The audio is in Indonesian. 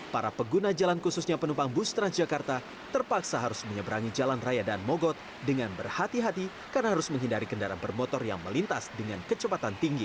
para pengguna jalan khususnya penumpang bus transjakarta terpaksa harus menyeberangi jalan raya dan mogot dengan berhati hati karena harus menghindari kendaraan bermotor yang melintas dengan kecepatan tinggi